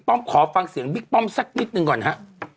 ขอฟังเสียงบิ๊กป้อมสักนิดหนึ่งก่อนฮะ